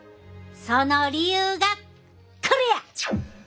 その理由がこれや！